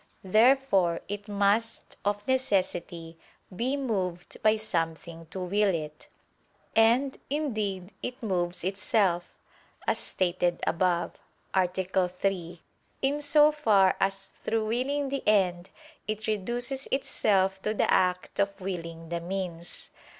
Therefore it must, of necessity, be moved by something to will it. And, indeed, it moves itself, as stated above (A. 3), in so far as through willing the end it reduces itself to the act of willing the means.